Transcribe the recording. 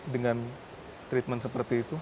dengan treatment seperti itu